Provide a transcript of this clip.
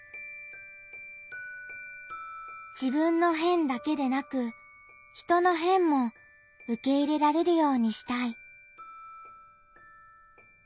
「自分の『変』だけでなく人の『変』もうけいれられるようにしたい」。